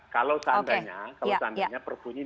kalau seandainya perpunya dikunci